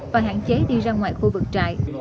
và hạn chế đi ra ngoài khu vực trại